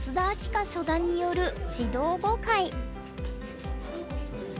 夏初段による指導碁会。